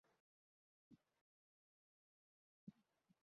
তারা এখানে থাকুক, আমরা অন্য জায়গা খুঁজে নেব।